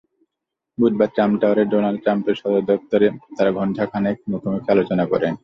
বুধবার ট্রাম্প টাওয়ারে ডোনাল্ড ট্রাম্পের দপ্তরে তাঁরা ঘণ্টা খানেক মুখোমুখি আলোচনা করেন।